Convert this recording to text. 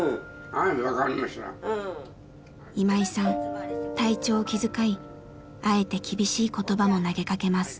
今井さん体調を気遣いあえて厳しい言葉も投げかけます。